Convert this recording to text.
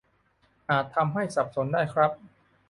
อาจทำให้สับสนได้ครับ